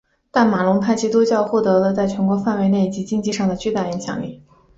但马龙派基督教徒获得了在全国范围内以及经济上的巨大影响力。